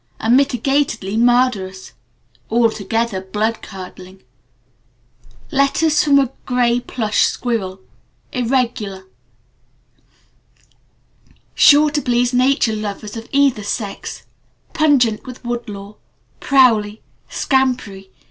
Unmitigatedly murderous. Altogether blood curdling.) Letters from a Gray Plush Squirrel. (Sure to please Nature Irregular. Lovers of Either Sex. Pungent with wood lore. Prowly. Scampery.